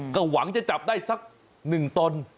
ก็หวังจะจับได้สัก๑ตน